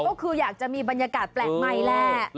ก็คืออยากจะมีบรรยากาศแปลกใหม่แหละ